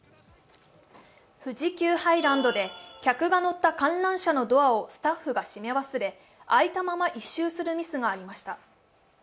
富士急ハイランドで客が乗った観覧車のドアをスタッフが閉め忘れ開いたまま１周するミスがありました。